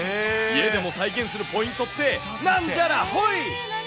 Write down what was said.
家でも再現するポイントって、なんじゃらほい。